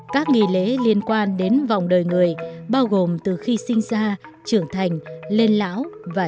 các nghi lễ liên quan đến vòng đời người bao gồm từ khi sinh ra trưởng thành lên lão và